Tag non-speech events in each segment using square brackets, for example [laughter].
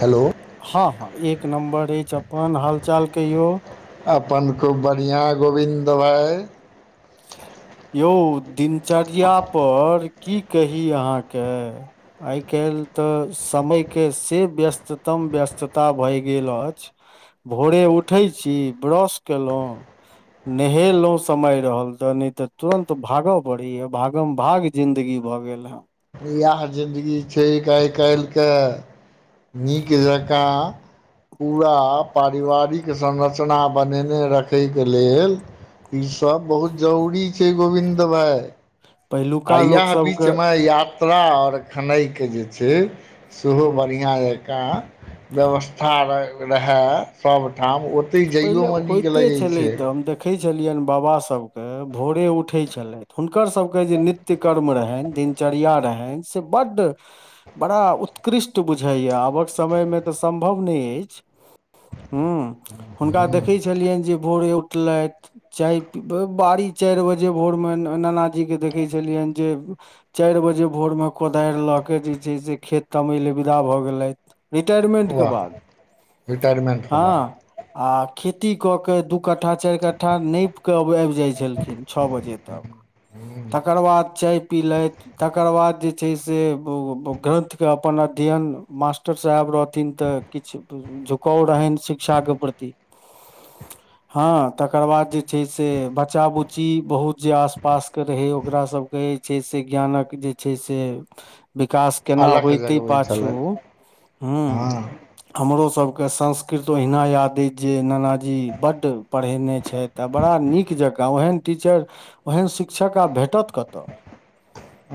hello हँ हँ एक नम्बर ऐछ अपन हाल चाल कहियौ अपन खूब बढ़िआँ गोबिन्द भाइ यौ दिनचर्या पर की कही अहाँकेँ आइ काइल तऽ समय केँ से व्यस्ततम व्यस्तता भए गेल अछि भोरे उठे छी ब्रश केलैं [inaudible] नहेलैं समय रहल तऽ नै तऽ तुरंत भाग पड़ै यऽ भाग मऽ भाग जिंदगी भए गेल है इएह जिन्दगी छै आइ काइल केँ नीक जकाँ पूरा पारिवारिक संरचना बनेने रखैके लेल ई सब बहुत जरूरी छै गोविन्द भााय पहिलुका आइया लोक बिच सबके मऽ याप कतला आओर खेनाइके जे छै सेहो बढ़िआँ जका [unintelligible] व्यवस्था रहै सबठाम ओ ओतई जाइयोमे नीक लगै छै देखे छलियनि बाबा सब कऽ भोरे उठे छले हुनकर सभके जे नित्य कर्म रहनि दिनचर्या रहनि से बड्ड बड़ा उत्कृष्ट बुझाइए आबक समयमे तऽ सम्भव नहि अछि हू हुनका देखै छलियनि जे भोरे उठलथि चाय बारी चारि बजे भोरमे नानाजीके देखै छलियनि जे चारि बजे भोरमे कोदारि लऽ कऽ जे छै से खेत तमय ल विदा भऽ गेलथि रिटायरमेंट कऽ वाह बाद रिटायरमेन्टके हँ आ खेती कऽ के दुख दू कट्ठा चारि कट्ठा नापप कऽ आबि जाइत छलखिन छओ बजे तक बाद तकर बाद चाय पिलायथ तकर बाद जे छै से ग्रन्थके अपन अध्ययन मास्टर साहेब रहथिन तऽ किछ झुकाव रहनि शिक्षाके प्रति [unintelligible] हँ तकर बाद जे छै से बच्चा बुच्ची बहुत जे आसपासके रहै ओकरा सब छै से ज्ञानक जे छै से विकास केना अलख होते जगबै पाछू छलथि हू हँ हमरोसभके संस्कृत ओहिना याद अछि जे नाना जी बड्ड पढ़ेने छथि आ बड़ा नीक जकाँ ओहन टीचर ओहन शिक्षक आब भेटत कतऽ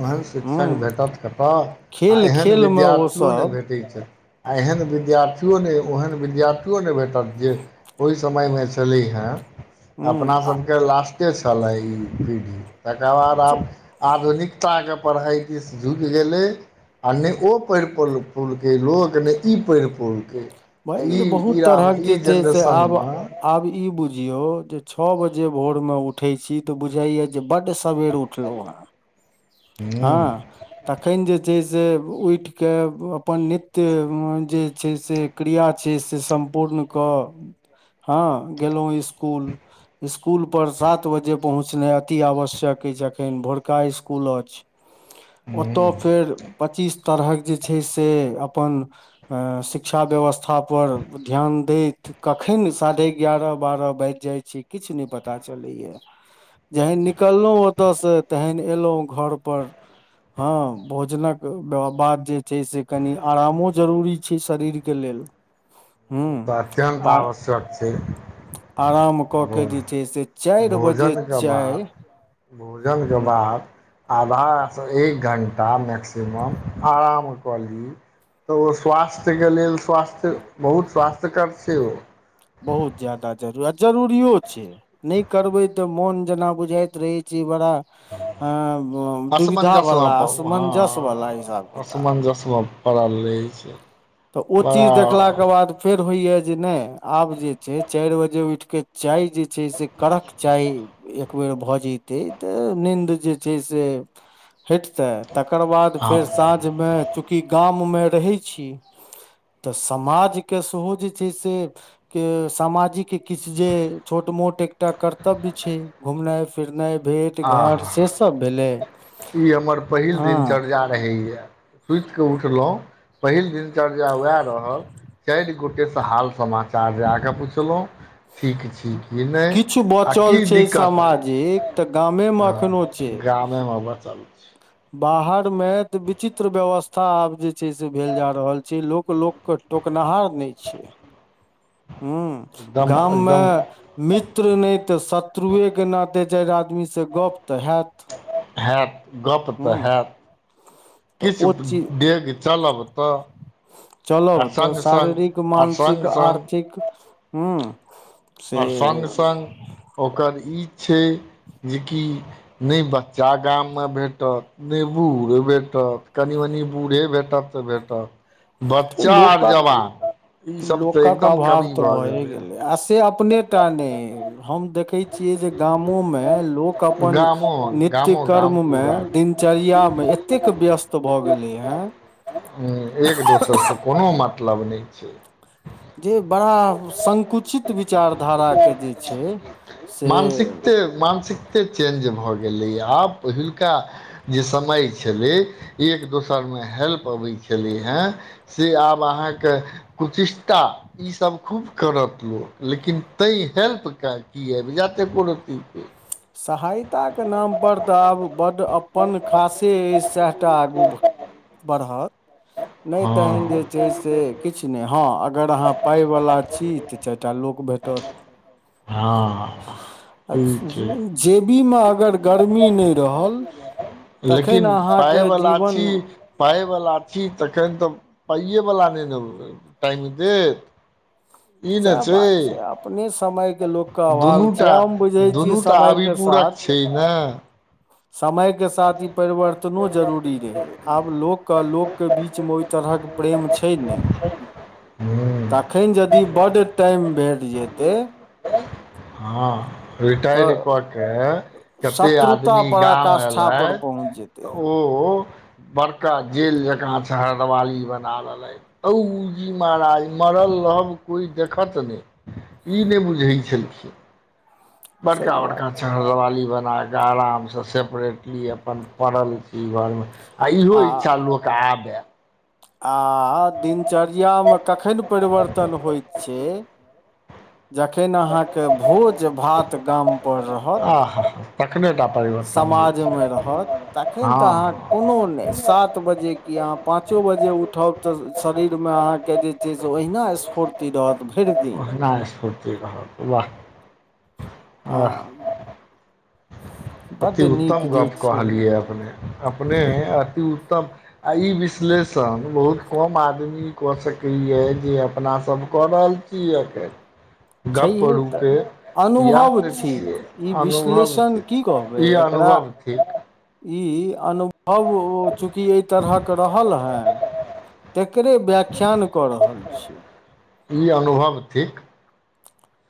ओहन शिक्षक हूँ भेटत कतऽ आ खेल एहन खेल मे ओ विद्यार्थियो नहि सब भेटत भेटैत छै आ एहन विद्यार्थियओ नहि ओहन विद्यार्थथिओ नहि भेटत जे ओहि समयमे छलै हेँ हूँ आ अपनासभके लास्टे छलय ई पीढ़ी तकर बाद आब आधुनिक कता कऽ पढ़ाइ दिस झुकि गेलै आ नहि ओ पढ़ि पढ़ पौलके लोक नहि ई पढ़ि पौलकै भय गेलै ई बहुत ईरामे तरहक जे ई छै से आब जेनरेशनमे आब ई बुझियो जे छओ बजे भोर मे उठे छी तऽ बुझाय यऽ जे बड्ड सवेर उठलो हँ हुँ हँ तऽ तखन जे छै से उठिकऽ अपन नित्य जे छै से क्रिया छै से सम्पूर्ण कऽ हँ गेलहुँ स्कुल स्कूल पर सात बजे पहुँचनाइ अति आवश्यक अछि अखन भोरका स्कूल अछि [unintelligible] हुँ ओतय ओ फेर पच्चीस तरहक जे छै से अपन शिक्षा शिक्षा व्यवस्थापर ध्यान दथि कखन साढ़े एगारह बारह बाजि जाइ छै किछ नहि पता चलैए जहन निकललहुँ ओतयसँ तेहन अयलहुँ घरपर हँ भोजनक बाद जे छै से कनि आरामो जरूरी छै शरीर के लेल ओ तऽ हूँ अत्यन्त आ आवश्यक छै आराम कऽ भ के जे छै से चारि बजे भोजन कऽ चाय बाद भोजन कऽ हूँ बाद आधा एक घण्टा मैक्सिमम आराम कऽ ली तऽ ओ स्वास्थ्यके लेल स्वास्थ्य बहुत स्वास्थ्यकर छै ओ बहुत ज्यदा जरूरी आ जरूरिो छै नहि करबै तऽ मोन जेना बुझाइत रहै छै बड़ा दुविधा असमंजसमे वाला असमंजस्य वाला हिसाब किताब जसबम पड़ल रहै छै तऽ ओ बड़ा चीज देखलाकऽ बाद फेर होइया जे नहि आब जे छै चारि बजे उठिक चाय जे छै से कड़क चाय एक बेेर भऽ जतै तऽ नीन्द जे छै से हटतै तकर बाद हँ फेर आ साँझमे चूँकि गाममे रहै छी तऽ समाजके सेहो जे छै से के सामाजिक किछ जे छोट मोट एकटा कर्तव्य छै घुमनाइ फिरनाइ भेट घाट आहा से सब भेलै हँ रहैया सुतििकऽ उठलहुँ पहिल दिन दिन चरिया वएह रहल चारि गोटे सऽ हाल समाचार जााकऽ पुछलहु ठीक छी कि नहि आ की दिक्कत अछि एक तऽ गमे ह गामेमेा बचल छै बाहरमे तऽ विचित्र व्यवस्था आब जे छै से भेल जा रहल छै लोक लोक टोकनिहार नहि छै हू एकदम गाममे एकदम मित्र नहि तऽ शत्रुएके नाते चार आदमीसँ गप तऽ हायत हायत गप तऽ हायत तऽ किछ ओ चीज डेग चलब तऽ आ चलब तऽ सङ्ग सङ्ग शारीरिक आ मानसिक सङ्ग सङ्ग आर्थिक हू से आ संग संग ओकर ई छै जेकि नहि बच्चा गाममे भेटत नहि बूढ़े भेटत कनि मनि बूढ़े भेटत तऽ भेटत बच्चा आर लोकक जवान ई सब तऽ लोकक एकदम अभाव कमी तऽ भए गेल हऽ गेलै आ से अपने टा नहि हम देखैत छियै जे गामोमे लोक अपन गामो नित्य गामो गाम कर्म पूरा मऽ दिनचर्या में एतेक व्यस्त भए गेले हेऽ हँ एक दोसर से कोनो मतलब नहि छै जे बड़ा संकुचित विचार धाराकऽ जे छै से मानसिकते मानसिकते चेंज भऽ गेलैए आब पहिलका जे समय छलै एक दोसरमे हेल्प अबैत छलै हऽ से आब अहाँकऽ कुचिष्टा ईसभ खूब करत लोक लेकिन ताहि हेल्प कए कऽ कि आब जायत एको रतिके सहायताके नामपर तऽ आब बड्ड अपन खासे अछि सएहटा आगू बढ़त नहि तहन जे छै हँ से किछु नहि हँ अगर अगर अहाँ पाइवला छी तऽ चारि टा लोक भेटत हँ [unintelligible] जेबी मऽ अगर गर्मी नहि रहल तखेन लेकिन अहाँके पाइवला जीवन छी पाइवला छी तखन तऽ पाइएवला नहि ने टाइम देत ई ने सएह छै बात अपने समय के लोक के अभाव छै दुनूटा हम बुझै छियै दुनूटा समय के साथ अभिपूरक छैने समय के साथ ई परवर्तनो जरूरी रहै आब लोकक लोक के बीच मे ओहि तरहक प्रेम छै ने हुँ तखन जदि बड्ड टाइम भेट जेतै हँ रिटायर तऽ कऽ के कतेक शत्रुता आदमी गाम पराकाष्ठा पर पहुँच जेतै एयलथिऽ ओ बड़का जेल जका हरदवाली बना लेलै औ जी महाराज मरल रहब कोइ देखत नै ई नै बुझै छलखिन बड़का सही बात बड़का छहरदेवाली बना क आरामसँ सेपरेटली अपन पड़ल छी घरमे आ इहो इच्छा लोक आबे आ दिनचर्यामे कखन परिवर्तन होइत छै जखन अहाँके भोज भात गामपर रहत आ हँ हँ तखने टा परिवर्तन होइ छै समाजमे रहत तखन तऽ अहाँ हँ कोनो नै सात बजे कि आहाँ पाँचो बजे उठा त समीर मे जे स ओहिना स्फूर्ति रहत भरि दिन ओहिना अस्फूर्ति रहत वाह वाह हँ अति बड्ड नीक उत्तम जे गप छै कहलिय अपने अपने अति उत्तम आ ई विश्लेषण बहुत कम आदमी कऽ सकैए जे अपनासभ कऽ रहल छी छी एखन गप छैहे रू तऽ के अनुभव थिक ई अनुभव विश्लेषण की थिक कहबै ई एकरा अनुभव थिक ई अनुभवो चूँकि एहि तरहक रहल हें तेकरे व्याख्यान क रहल छीय ई अनुभव थिक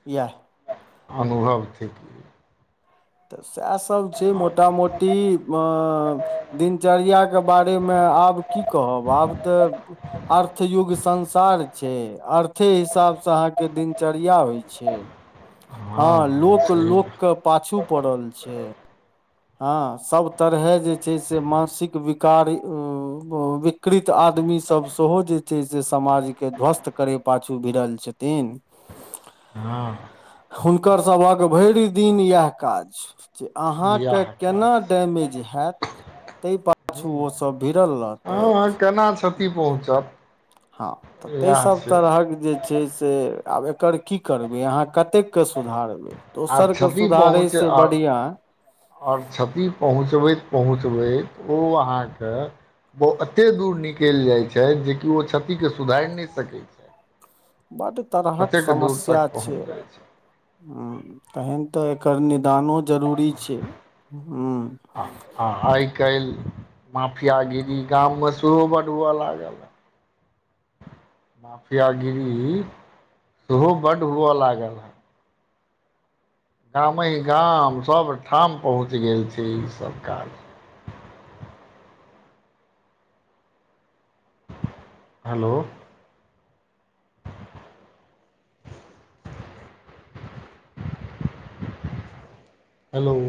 इएह अनुभव थिक तऽ सएहसभ छै मोटा मोटी अ दिनचर्याके बारेमे आब की कहब आब तऽ अर्थयुग संसार छै अर्थे हिसाब स अहाँ के दिनचर्या होइ छै हँ लोक लोक के पाछू पड़ल छै हँ सभ तरहे जे छै से मानसिक विकार उ विकृत आदमीसभ सेहो जे छै से समाजके ध्वस्त करय पाछू भिड़ल छथिन हँ हुनकरसभक भरि दिन इएह काज जे अहाँके इएह काज केना डैमेज हैत ताहि पाछू ओ सब भिड़ल रहत हँ हँ केना छ ती पहुँचत हँ तऽ तै इएह सब छै तरहक जे जे छै से आब एकर की करबै अहाँ कतेकके सुधारबै आर दोसर केँ क्षति सुधारे से बढ़िया और क्षति पहुँचबैत पहुँचबैत ओ अहाँकेँ ओ एते दूर निकैल जाइ छैथ जेकि ओ क्षति केँ सुधाइर नहि सकैत छैथ बड तरहक दूर समस्या तक छै पहुँच जाइ [inaudible] तहेन तऽ एकर निदानो जरूरी छै [inaudible] छै आ आइ काइल [inaudible] माफियागिरी गाम मऽ सेहो बढ़ हुअ लागल ह [inaudible] माफियागिरी सेहो बड हु अ लागल है गामे गाम सभठाम पहुँच गेल छै ईसभ काज हेलो हेलो